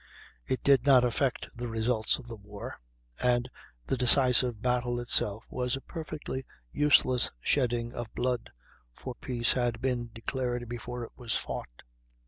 It did not affect the results of the war; and the decisive battle itself was a perfectly useless shedding of blood, for peace had been declared before it was fought.